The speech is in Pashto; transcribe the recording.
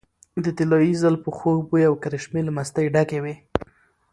د طلايي زلفو خوږ بوي او کرشمې له مستۍ ډکې وې .